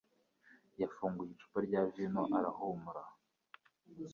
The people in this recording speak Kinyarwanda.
yafunguye icupa rya vino arahumura.